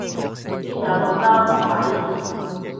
邊有咁多評委